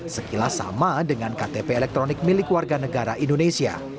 sekilas sama dengan ktp elektronik milik warga negara indonesia